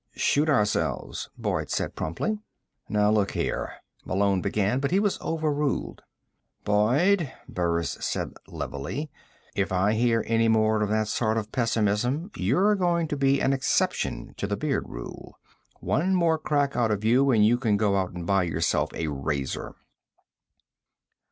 "Shoot ourselves," Boyd said promptly. "Now, look here " Malone began, but he was overruled. "Boyd," Burris said levelly, "if I hear any more of that sort of pessimism, you're going to be an exception to the beard rule. One more crack out of you, and you can go out and buy yourself a razor."